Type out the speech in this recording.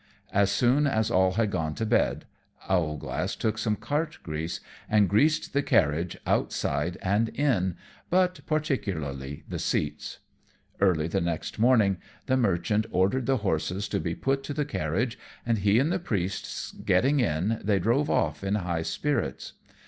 As soon as all had gone to bed, Owlglass took some cart grease and greased the carriage outside and in, but particularly the seats. Early the next morning the Merchant ordered the horses to be put to the carriage, and he and the priest getting in, they drove off in high spirits.